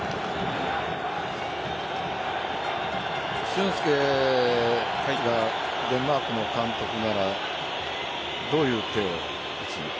俊輔がデンマークの監督ならどういう手を打つ？